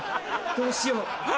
どうしよう。